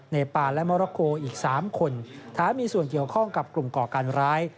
ปานและมรโกอีก๓คนถามมีส่วนเกี่ยวข้องกับกลุ่มก่อการร้าย